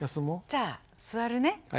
じゃあ座るね。